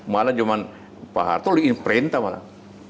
malah cuma pak soeharto diimprint malah